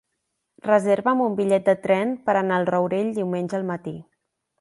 Reserva'm un bitllet de tren per anar al Rourell diumenge al matí.